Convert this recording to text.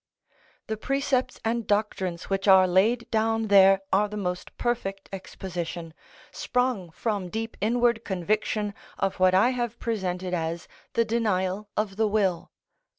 The precepts and doctrines which are laid down there are the most perfect exposition, sprung from deep inward conviction of what I have presented as the denial of the will.